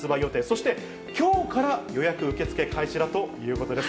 そしてきょうから予約受け付け開始だということです。